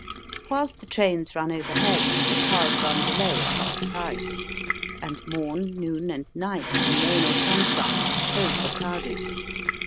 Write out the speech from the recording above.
Whilst the trains run overhead the cars run below at half price ; and morn, noon, and night, in rain or sunshine, both are crowded.